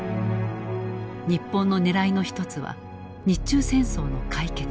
日本の狙いの一つは日中戦争の解決。